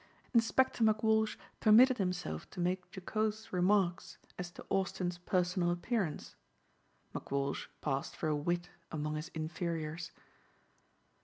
Inspector McWalsh permitted himself to make jocose remarks as to Austin's personal appearance. McWalsh passed for a wit among his inferiors.